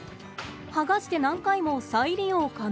剥がして何回も再利用可能。